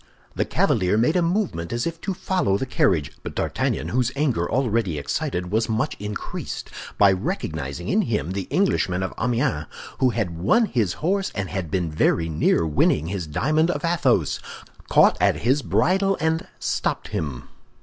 The cavalier made a movement as if to follow the carriage; but D'Artagnan, whose anger, already excited, was much increased by recognizing in him the Englishman of Amiens who had won his horse and had been very near winning his diamond of Athos, caught at his bridle and stopped him.